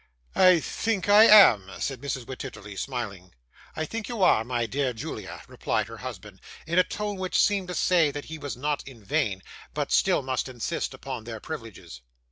'I THINK I am,' said Mrs. Wititterly, smiling. 'I think you are, my dear Julia,' replied her husband, in a tone which seemed to say that he was not vain, but still must insist upon their privileges.